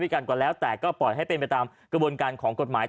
กันก่อนแล้วแต่ก็ปล่อยให้เป็นไปตามกระบวนการของกฎหมาย